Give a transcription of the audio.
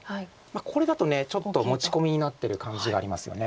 これだとちょっと持ち込みになってる感じがありますよね。